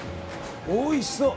おいしそう！